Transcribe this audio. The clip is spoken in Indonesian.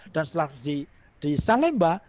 dan selalu di salemba